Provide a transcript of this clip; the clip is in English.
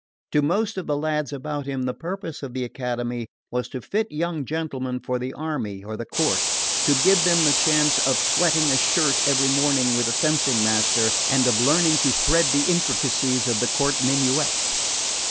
To most of the lads about him the purpose of the Academy was to fit young gentlemen for the army or the court; to give them the chance of sweating a shirt every morning with the fencing master and of learning to thread the intricacies of the court minuet.